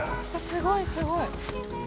すごいすごい。